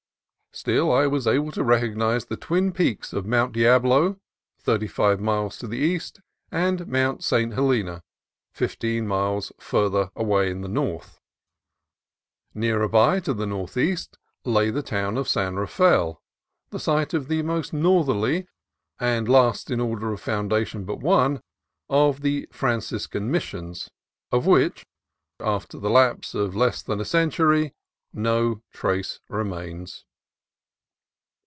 Still, I was able to recog nize the twin peaks of Mount Diablo, thirty five miles to the east, and Mount St. Helena, fifteen miles farther away in the north. Nearer by to the northeast lay the town of San Rafael, the site of the most northerly and last in order of foundation, but one, of the Franciscan Missions, but of which, after the lapse of less than a century, no trace remains.